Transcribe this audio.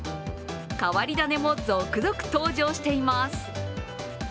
変わり種も続々登場しています。